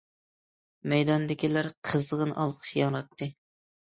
مەيداندىكىلەر قىزغىن ئالقىش ياڭراتتى.